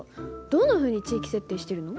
どんなふうに地域設定してるの？